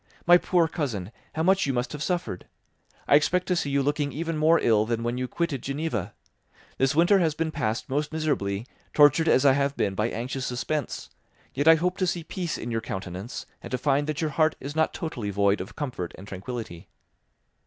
My poor cousin, how much you must have suffered! I expect to see you looking even more ill than when you quitted Geneva. This winter has been passed most miserably, tortured as I have been by anxious suspense; yet I hope to see peace in your countenance and to find that your heart is not totally void of comfort and tranquillity.